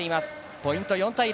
ポイント４対０。